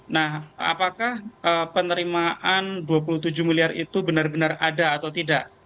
nah apakah penerimaan dua puluh tujuh miliar itu benar benar ada atau tidak